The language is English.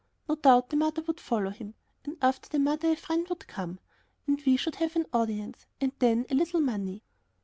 No doubt the mother would follow him, and after the mother a friend would come, and we should have an audience, and then a little money.